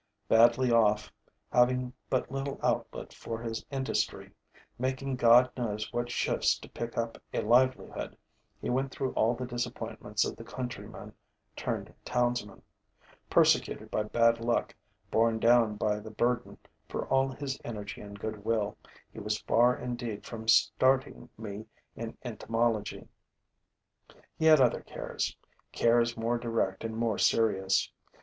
Badly off, having but little outlet for his industry, making God knows what shifts to pick up a livelihood, he went through all the disappointments of the countryman turned townsman. Persecuted by bad luck, borne down by the burden, for all his energy and good will, he was far indeed from starting me in entomology. He had other cares, cares more direct and more serious.